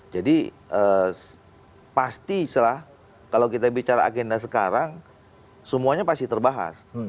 jadi pasti setelah kalau kita bicara agenda sekarang semuanya pasti terbahas